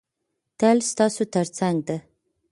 تل ستاسو تر څنګ ده.